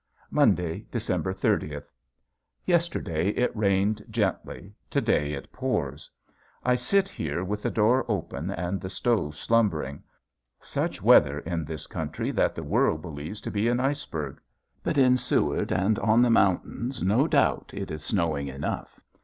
Monday, December thirtieth. Yesterday it rained gently, to day it pours. I sit here with the door open and the stove slumbering such weather in this country that the world believes to be an iceberg! But in Seward and on the mountains no doubt it is snowing enough.